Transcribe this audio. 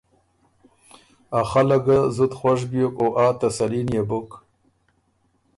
ا خلق ګه خوش بیوک او آ تسلي نيې بُک